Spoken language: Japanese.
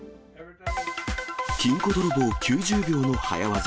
金庫泥棒９０秒の早わざ。